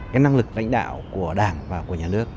cái năng lực lãnh đạo của đảng và của nhà nước